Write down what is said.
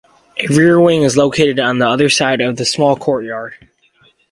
A rear wing is located on the other side of the small courtyard.